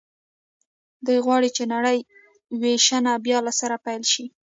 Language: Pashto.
دوی غواړي چې نړۍ وېشنه بیا له سره پیل شي